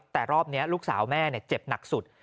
แต่รอบนี้ลูกสาวแม่เจ็บหนักสุด